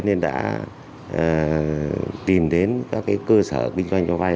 nên đã tìm đến các cơ sở kinh doanh cho vay